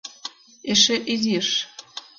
— Эше изиш!..